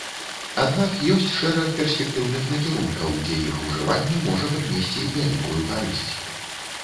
Аднак ёсць шэраг перспектыўных накірункаў, дзе іх ужыванне можа прынесці вялікую карысць.